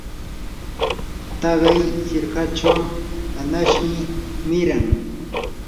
taqay hirkachaw añasmi miran.